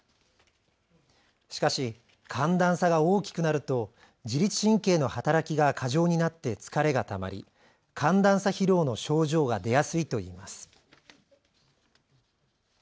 しかし寒暖差が大きくなると自律神経の働きが過剰になって疲れがたまり寒暖差疲労の症状が出やすいといいます。